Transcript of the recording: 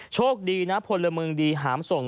โชคดีนะพลเมืองดีหามส่ง